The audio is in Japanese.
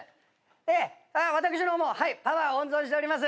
ええ私の方もパワー温存しております。